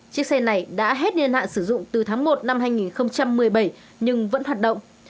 chiếc xe này đã hết niên hạn sử dụng từ tháng một năm hai nghìn một mươi bảy nhưng vẫn hoạt động